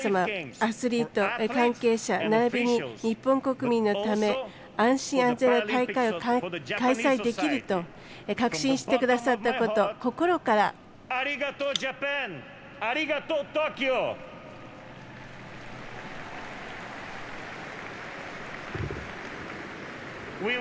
アスリート、関係者、ならびに日本国民のため、安心・安全の大会を開催できると確信してくださったこと心からありがとうジャパン！